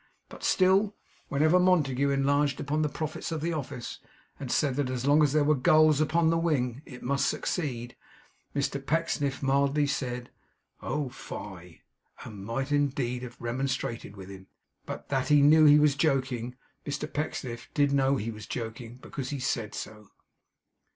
But still, whenever Montague enlarged upon the profits of the office, and said that as long as there were gulls upon the wing it must succeed, Mr Pecksniff mildly said 'Oh fie!' and might indeed have remonstrated with him, but that he knew he was joking. Mr Pecksniff did know he was joking; because he said so.